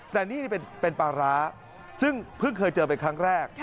แต่นี่เป็นปลาร้าซึ่งเพิ่งเคยเจอไปครั้งแรก